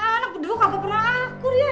ya anak dulu kakak pernah akur ya